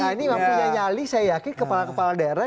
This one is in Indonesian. nah ini mempunyai nyali saya yakin kepala kepala daerah